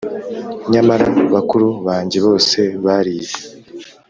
. Nyamara bakuru bange bose barize.